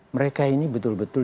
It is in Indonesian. mereka ini betul betul